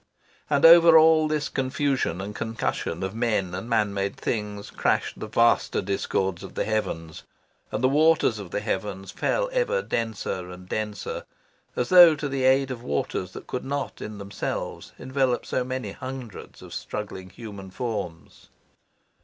And over all this confusion and concussion of men and man made things crashed the vaster discords of the heavens; and the waters of the heavens fell ever denser and denser, as though to the aid of waters that could not in themselves envelop so many hundreds of struggling human forms.